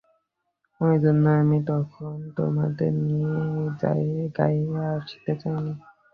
ওইজন্যে আমি তখন তোমাদের নিয়ে এ গাযে আসতে চাইনি।